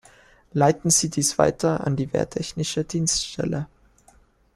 Leiten Sie dies weiter an die wehrtechnische Dienststelle.